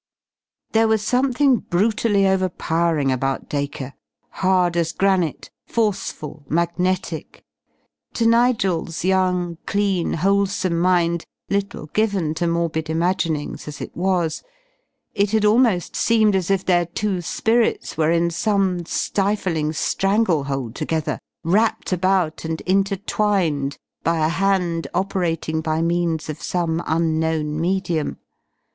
There was something brutally over powering about Dacre, hard as granite, forceful, magnetic. To Nigel's young, clean, wholesome mind, little given to morbid imaginings as it was, it had almost seemed as if their two spirits were in some stifling stranglehold together, wrapt about and intertwined by a hand operating by means of some unknown medium.